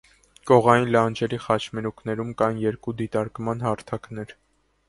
Կողային լանջերի խաչմերուկներում կան երկու դիտարկման հարթակներ։